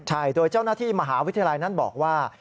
ใช่โดยเจ้าหน้าที่มหาวิทยาลัยนั้นบอกว่า